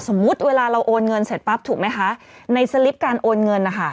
เวลาเราโอนเงินเสร็จปั๊บถูกไหมคะในสลิปการโอนเงินนะคะ